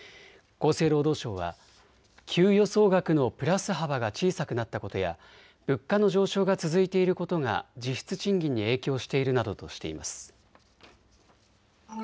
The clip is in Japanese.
厚生労働省は給与総額のプラス幅が小さくなったことや物価の上昇が続いていることが実質賃金に影響しているなどとしています。